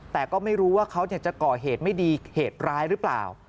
แต่ก็ไม่รู้ว่าเขาจะก่อเหตุไม่ดีเหตุร้ายหรือเปล่า